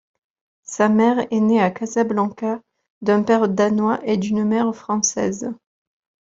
Sa mère est née à Casablanca d'un père danois et d'une mère française.